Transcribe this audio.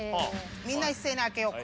みんな一斉に開けようか。